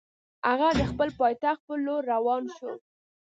هغه د خپل پایتخت پر لور روان شو.